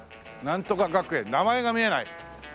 なんとか学園名前が見えない。